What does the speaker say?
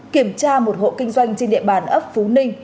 kiểm tra một hộ kinh doanh trên địa bàn ấp phú ninh